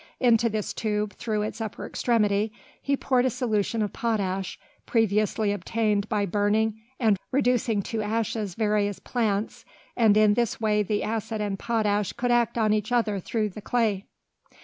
Into this tube, through its upper extremity, he poured a solution of potash, previously obtained by burning and reducing to ashes various plants, and in this way the acid and potash could act on each other through the clay.